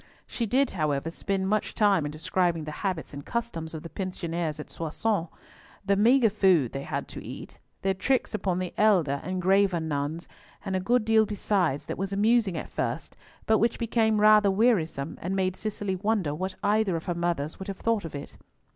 She did, however, spend much time in describing the habits and customs of the pensioners at Soissons; the maigre food they had to eat; their tricks upon the elder and graver nuns, and a good deal besides that was amusing at first, but which became rather wearisome, and made Cicely wonder what either of her mothers would have thought of it.